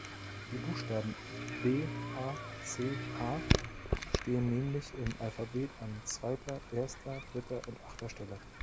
Die Buchstaben B-A-C-H stehen nämlich im Alphabet an zweiter, erster, dritter und achter Stelle.